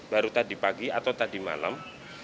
baru tadi pagi atau tadi malam